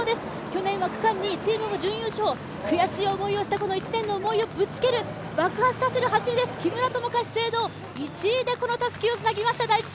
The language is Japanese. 去年は区間２位の準優勝、悔しい思いをしたこの１年をぶつける爆発させる走りです、木村友香１位でたすきをつなぎました。